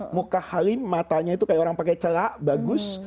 muka halim matanya itu kayak orang pakai celak bagus